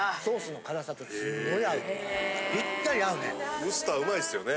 ぴったり合うね。